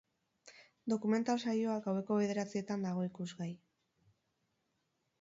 Dokumental saioa gaueko bederatzietan dago ikusgai.